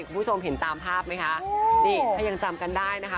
คุณผู้ชมเห็นตามภาพไหมคะนี่ถ้ายังจำกันได้นะคะ